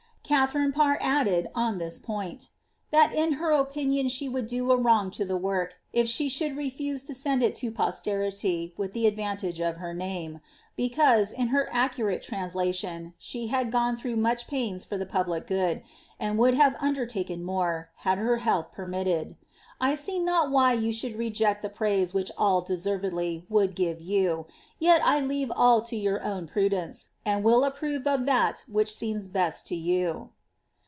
Katliarine Parr added, on tliis point, •* that in her opinion she would do a wrong to the work, if she should refuse to send it to posterity with the advantage of her name; because, in her accurate translation, she had gone throujLih much pains for the public good, and would have undertaken more, had her health peimitted. I see not why you should reject the praise which all de servedly would give you ; yet I leave all to your own prudence, and will approve of tiiat which seems best to you."'